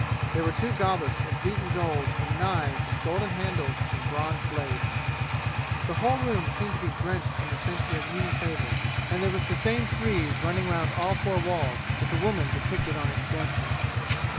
There were two goblets of beaten gold and knives with golden handles and bronze blades. The whole room seemed to be drenched in the scent Yasmini favored, and there was the same frieze running round all four walls, with the woman depicted on it dancing.